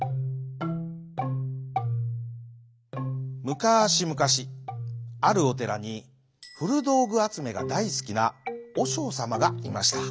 むかしむかしあるおてらにふるどうぐあつめがだいすきなおしょうさまがいました。